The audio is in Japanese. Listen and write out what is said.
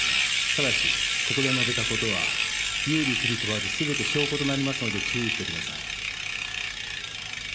ただしここで述べたことは有利不利問わず全て証拠となりますので注意して下さい。